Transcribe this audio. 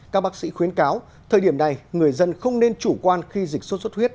các bác sĩ khuyến cáo thời điểm này người dân không nên chủ quan khi dịch suốt suốt huyết